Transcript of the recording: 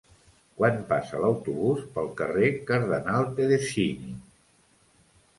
Quan passa l'autobús pel carrer Cardenal Tedeschini?